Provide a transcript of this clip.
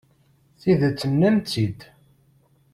Tidet, nnan-tt-id.